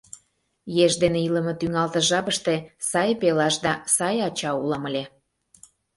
Еш дене илыме тӱҥалтыш жапыште сай пелаш да сай ача улам ыле.